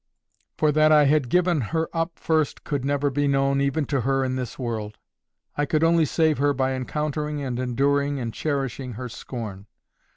For that I had given her up first could never be known even to her in this world. I could only save her by encountering and enduring and cherishing her scorn.